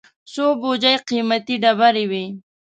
څو بوجۍ قېمتي ډبرې وې.